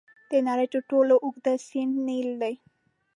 د نړۍ تر ټولو اوږد سیند نیل دی.